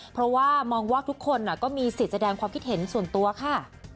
เพราะว่ามองว่าทุกคนก็มีสิทธิ์แสดงความคิดเห็นส่วนตัวค่ะ